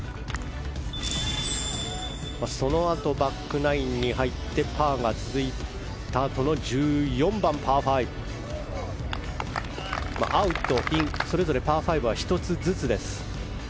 そのあと、バックナインに入ってパーが続いたあとのこの１４番、パー５。アウト、インそれぞれパー５は１つずつです。